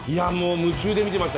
夢中で見てました。